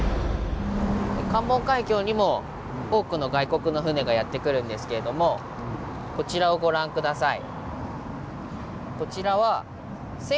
関門海峡にも多くの外国の船がやって来るんですけれどもこちらをご覧下さい。